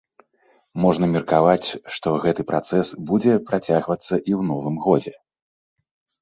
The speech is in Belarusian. Можна меркаваць, што гэты працэс будзе працягвацца і ў новым годзе.